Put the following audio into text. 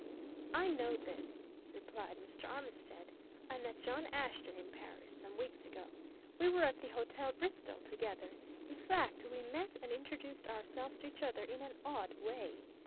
"I know this," replied Mr. Armitstead. "I met John Ashton in Paris some weeks ago. We were at the Hotel Bristol together. In fact, we met and introduced ourselves to each other in an odd way.